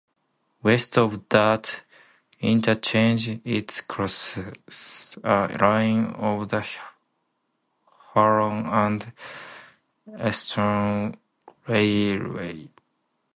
West of that interchange, it crosses a line of the Huron and Eastern Railway.